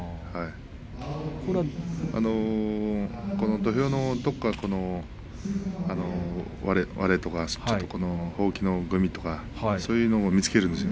土俵のところ、割れとかほうきの具合とかそういったものを見つけているんですよ。